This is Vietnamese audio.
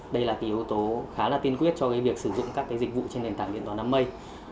đây là cái yếu tố khá là tiên quyết cho cái việc sử dụng các cái dịch vụ trên đền tảng điện toán đám mây